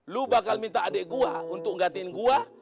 lu bakal minta adik gua untuk nggantikan gua